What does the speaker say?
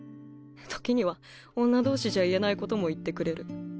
時には女同士じゃ言えないことも言ってくれる。